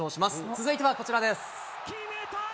続いてはこちらです。